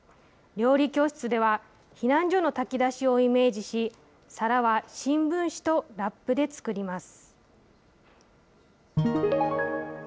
料理教室では、避難所の炊き出しをイメージし、皿は新聞紙とラップで作ります。